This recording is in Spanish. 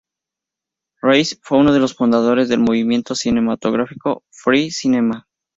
Reisz fue uno de los fundadores del movimiento cinematográfico Free cinema.